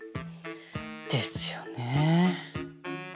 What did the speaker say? ですよね。